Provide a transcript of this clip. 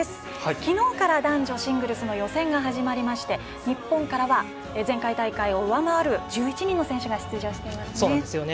きのうから男女のシングルスが始まりまして日本からは前回大会を上回る１１人の選手が出場していますね。